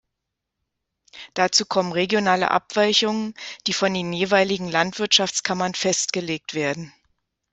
Dazu kommen regionale Abweichungen, die von den jeweiligen Landwirtschaftskammern festgelegt werden.